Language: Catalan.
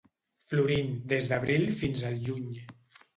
Florint des d'abril fins al juny.